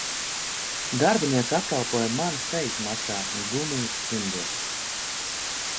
Darbiniece apkalpoja mani sejas maskā un gumijas cimdos.